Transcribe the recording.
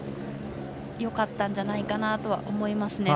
よかったんじゃないかなと思います。